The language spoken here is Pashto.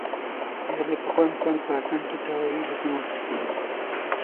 پیغلې په خوند خوند په اتڼ کې تاووي لاسونه